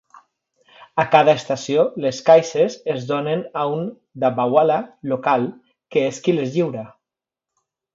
A cada estació, les caixes es donen a un "dabbawala" local, que és qui les lliura.